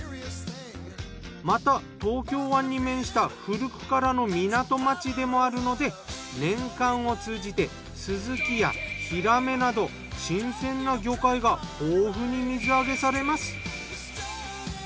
また東京湾に面した古くからの港町でもあるので年間を通じてスズキやヒラメなど新鮮な魚介が豊富に水揚げされます。